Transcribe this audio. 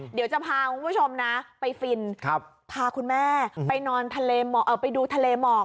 เดี๋ยวจะพาคุณผู้ชมนะไปฟินพาคุณแม่ไปนอนไปดูทะเลหมอก